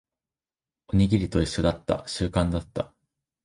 おにぎりと一緒だった。習慣だった。